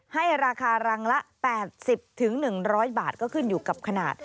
ให้ราคารังละ๘๐๑๐๐บาทก็ขึ้นอยู่กับขนาด